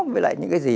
với lại những cái gì